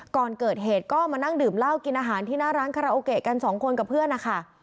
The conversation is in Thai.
ก่อนเกิดเหตุก็มานั่งดื่มเหล้ากินอาหารที่หน้าร้านคาราโอเกะกันสองคนกับเพื่อนนะคะ